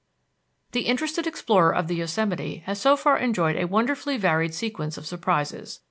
The interested explorer of the Yosemite has so far enjoyed a wonderfully varied sequence of surprises.